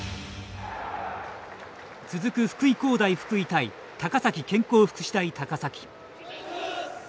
続く、福井工大福井対高崎健康福祉大高崎。